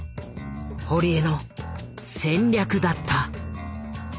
堀江の戦略だった。